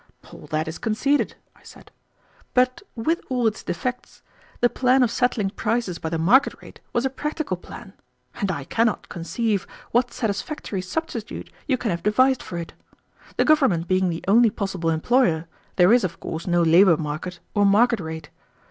"All that is conceded," I said. "But, with all its defects, the plan of settling prices by the market rate was a practical plan; and I cannot conceive what satisfactory substitute you can have devised for it. The government being the only possible employer, there is of course no labor market or market rate.